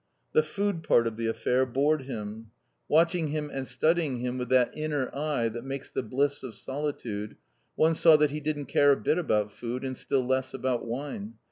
The food part of the affair bored him. Watching him and studying him with that inner eye that makes the bliss of solitude, one saw he didn't care a bit about food, and still less about wine.